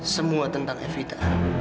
semua tentang evita